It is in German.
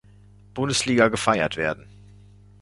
Bundesliga gefeiert werden.